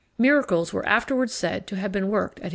Miracles were afterwards said to have been worked at his tomb.